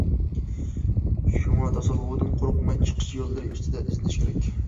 شۇڭا، توسالغۇدىن قورقماي، چىقىش يوللىرى ئۈستىدە ئىزدىنىش كېرەك.